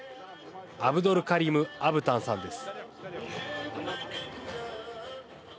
アブドルカリム・アブタンさんです。